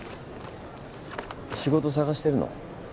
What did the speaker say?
仕事探してるの？